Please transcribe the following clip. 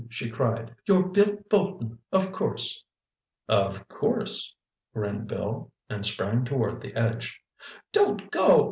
she cried. "You're Bill Bolton, of course." "Of course!" grinned Bill and sprang toward the edge. "Don't go!"